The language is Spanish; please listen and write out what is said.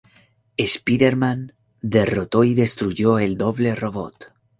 Spider-Man derrotó y destruyó el doble robot.